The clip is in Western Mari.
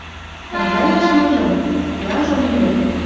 Тӹнгӓлӓш мыжым? — Яжо лидӓ!